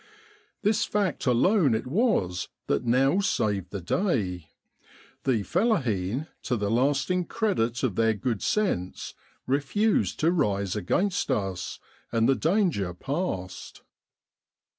This fact alone it was that now saved the day; the fellaheen, to the lasting credit of their good sense, refused to rise against us, and the danger passed.